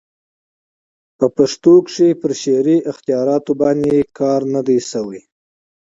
په پښتو کښي پر شعري اختیاراتو باندي کار نه دئ سوى.